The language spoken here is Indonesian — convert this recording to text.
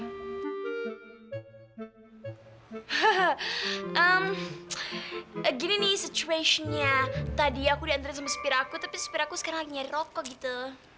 hehe ehm gini nih situationnya tadi aku diantriin sama sepiraku tapi sepiraku sekarang lagi nyari rokok gitu